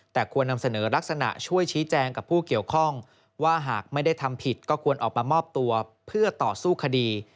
แต่ควรนำเสนอลักษณะช่วยชี้แจงกับผู้เกี่ยวข้องว่าหากไม่ได้ทำผิดก็ควรออกมามอบตัวเพื่อต่อสู้คดี